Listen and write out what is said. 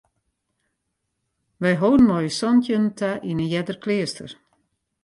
Wy holden mei ús santjinnen ta yn in earder kleaster.